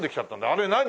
あれ何？